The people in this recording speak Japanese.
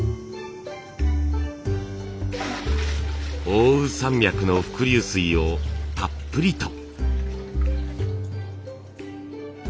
奥羽山脈の伏流水をたっぷりと。